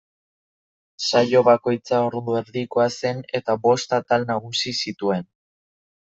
Saio bakoitza ordu erdikoa zen eta bost atal nagusi zituen.